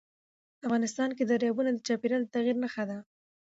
افغانستان کې دریابونه د چاپېریال د تغیر نښه ده.